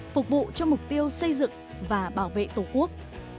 phục vụ cho mục tiêu xây dựng và bảo vệ tổ quốc